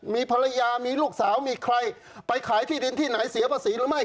มีภรรยามีลูกสาวมีใครไปขายที่ดินที่ไหนเสียภาษีหรือไม่